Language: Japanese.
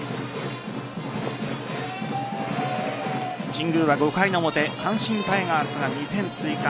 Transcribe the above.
神宮は５回の表阪神タイガースが２点追加。